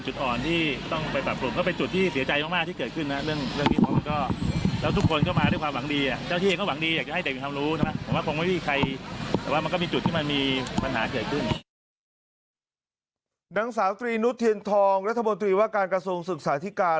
นางสาวตรีนุษเทียนทองรัฐมนตรีว่าการกระทรวงศึกษาธิการ